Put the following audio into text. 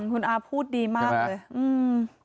คุณอาพูดดีมากเลยอืม